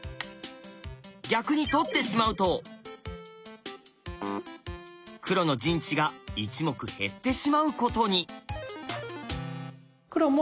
逆に取ってしまうと黒の陣地が１目減ってしまうことに。